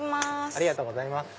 ありがとうございます。